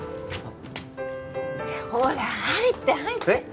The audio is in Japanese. ほら入って入って！